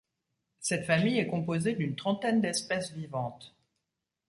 Cette famille est composée d'une trentaine d'espèces vivantes.